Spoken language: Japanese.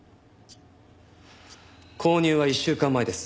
購入は１週間前です。